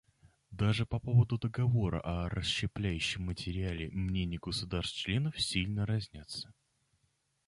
Даже по поводу договора о расщепляющемся материале мнения государств-членов сильно разнятся.